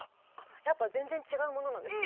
やっぱ全然違うものなんですか？